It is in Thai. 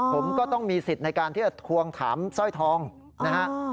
ผมก็ต้องมีสิทธิ์ในการที่จะทวงถามสร้อยทองนะฮะ